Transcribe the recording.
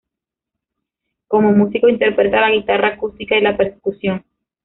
Como músico interpreta la guitarra acústica y la percusión.